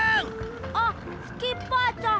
あっスキッパーさん。